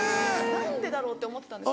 何でだろうって思ってたんです。